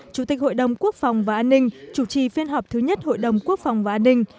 chủ tịch hội đồng quốc phòng và an ninh chủ trì phiên họp thứ nhất hội đồng quốc phòng và an ninh